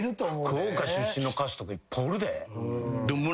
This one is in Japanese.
福岡出身の歌手とかいっぱいおるで。